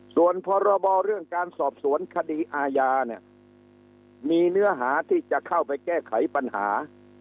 ส่วนพรบเรื่องการสอบสวนคดีอาญาเนี่ยมีเนื้อหาที่จะเข้าไปแก้ไขปัญหา